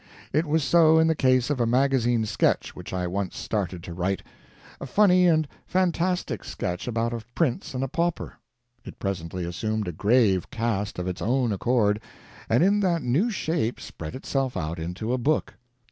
It was so in the case of a magazine sketch which I once started to write a funny and fantastic sketch about a prince and a pauper; it presently assumed a grave cast of its own accord, and in that new shape spread itself out into a book.